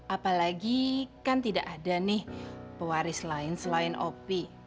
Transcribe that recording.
apalagi kan tidak ada nih pewaris lain selain opi